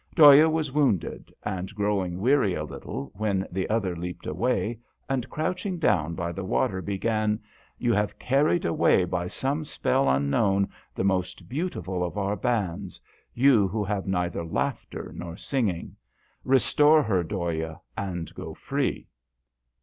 Dhoya was wounded, and grow ing weary a little, when the other leaped away, and, crouching down by the water, began " You have carried away by some spell un known the most beautiful of our bands you who have neither laughter nor singing. Restore her, Dhoya, and go free."